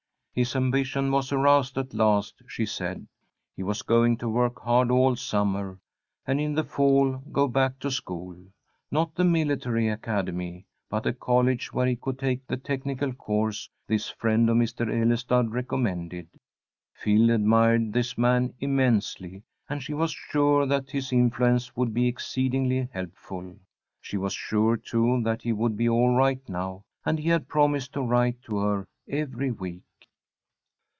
His ambition was aroused at last, she said. He was going to work hard all summer, and in the fall go back to school. Not the military academy, but a college where he could take the technical course this friend of Mr. Ellestad recommended. Phil admired this man immensely, and she was sure that his influence would be exceedingly helpful. She was sure, too, that he would be all right now, and he had promised to write to her every week.